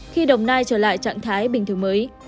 khi đồng nai trở lại trạng thái bình thường mới